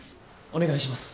お願いします。